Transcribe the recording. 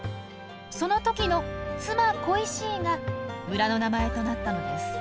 その時の「妻・恋しい」が村の名前となったのです。